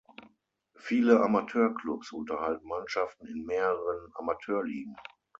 Viele Amateurklubs unterhalten Mannschaften in mehreren Amateurligen.